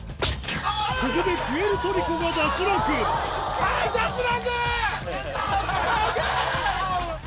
ここでプエルトリコが脱落はい脱落！ＯＫ！